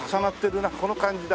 この感じだ。